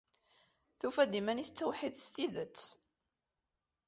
Tufa-d iman-is d tawḥidt s tidet.